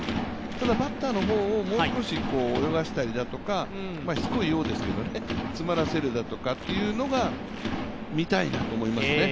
ただ、バッターの方、もう少し泳がしたりだとかしつこいようですけども、詰まらせるとかっていうのが見たいなと思いますね。